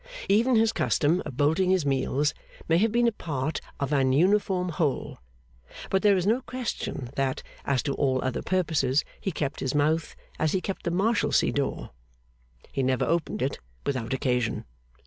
Even his custom of bolting his meals may have been a part of an uniform whole; but there is no question, that, as to all other purposes, he kept his mouth as he kept the Marshalsea door. He never opened it without occasion.